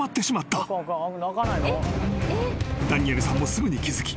［ダニエルさんもすぐに気付き